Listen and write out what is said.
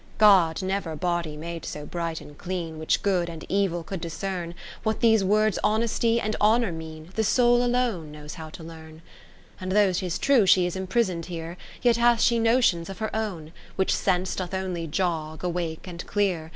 IX God never body made so bright and clean, Which Good and Evil could dis cern : What these words Honesty and Honour mean, The soul alone knows how to learn. X And though 'tis true she is imprison'd here, Yet hath she notions of her own, W^hich Sense doth only jog, awake, and clear.